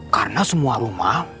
karena semua rumah